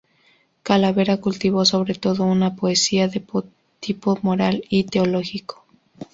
Calavera cultivó sobre todo una poesía de tipo moral y teológico.